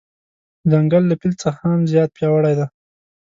ځنګل له فیل څخه هم زیات پیاوړی دی.